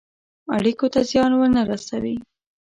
اړېکو ته زیان ونه رسوي.